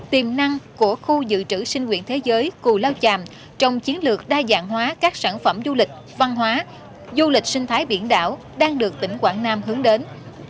tiềm năng của khu dự trữ sinh quyển thế giới cù lao chàm trong chiến lược đa dạng hóa các sản phẩm du lịch văn hóa du lịch sinh thái biển đảo đang được tỉnh quảng nam hướng đến